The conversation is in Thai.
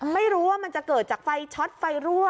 ไม่รู้ว่ามันจะเกิดจากไฟช็อตไฟรั่ว